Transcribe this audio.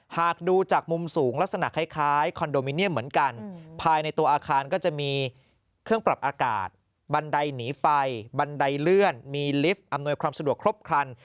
หากดูจากมุมสูงลักษณะคล้ายคอนโดมิเนียมเหมือนกันภายในตัวอาคารก็จะมีเครื่องปรับอากาศบันไดหนีไฟบันไดเลื่อนมีลิฟต์อำนวยความสะดวกครบครัน